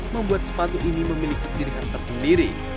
membuat sepatu ini memiliki ciri khas tersebut sendiri